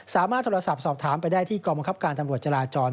สามารถโทรศัพท์สอบถามไปได้ที่กองบังคับการตำรวจจราจร